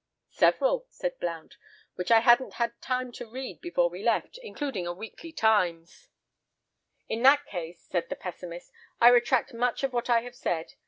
"Several," said Blount, "which I hadn't time to read before we left, including a Weekly Times." "In that case," said the pessimist, "I retract much of what I have said.